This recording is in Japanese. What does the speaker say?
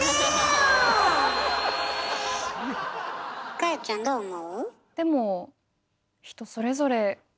果耶ちゃんどう思う？